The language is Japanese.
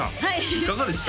いかがでした？